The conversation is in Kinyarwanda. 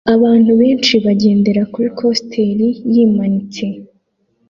Abantu benshi bagendera kuri coaster yimanitse